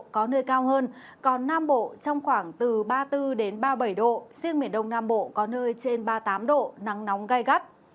có nơi cao hơn còn nam bộ trong khoảng từ ba mươi bốn ba mươi bảy độ riêng miền đông nam bộ có nơi trên ba mươi tám độ nắng nóng gai gắt